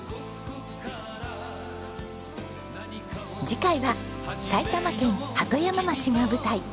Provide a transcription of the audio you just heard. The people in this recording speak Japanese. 次回は埼玉県鳩山町が舞台。